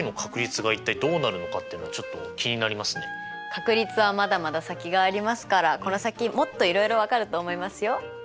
確率はまだまだ先がありますからこの先もっといろいろ分かると思いますよ。